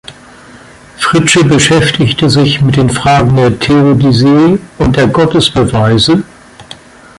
Fritzsche beschäftigte sich mit den Fragen der Theodizee und der Gottesbeweise.